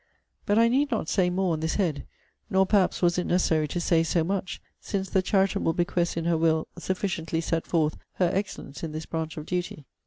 But I need not say more on this head: nor perhaps was it necessary to say so much; since the charitable bequests in her will sufficiently set forth her excellence in this branch of duty.